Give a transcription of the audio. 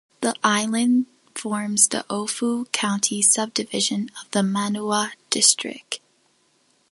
The island forms the Ofu County subdivision of the Manua District.